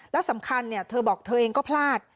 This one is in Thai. แล้วสำคัญเธอบอกเธอเองก็พลาด